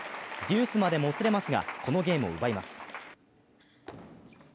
デュースまでもつれますが、このゲームを奪います。